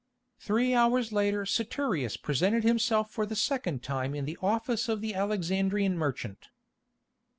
Three hours later Saturius presented himself for the second time in the office of the Alexandrian merchant.